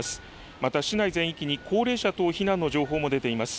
また市内全域に高齢者等避難の情報も出ています。